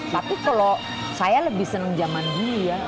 tapi kalau saya lebih senang zaman dulu ya